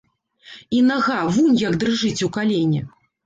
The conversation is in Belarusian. І нага вунь як дрыжыць у калене.